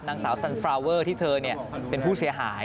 นางสาวสันฟราเวอร์ที่เธอเป็นผู้เสียหาย